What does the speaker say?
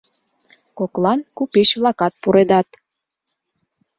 Коклан купеч-влакат пуредат.